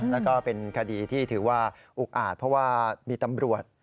แล้วก็เป็นคดีที่ถือว่าอุกอาจเพราะว่ามีตำรวจ